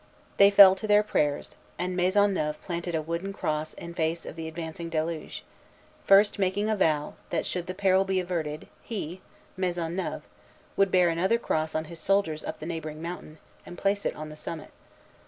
They fell to their prayers; and Maisonneuve planted a wooden cross in face of the advancing deluge, first making a vow, that, should the peril be averted, he, Maisonneuve, would bear another cross on his shoulders up the neighboring mountain, and place it on the summit.